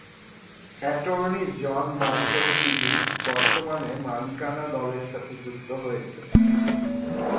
Attorney John Michael Phillips বর্তমানে মালিকানা দলের সাথে যুক্ত হয়েছেন।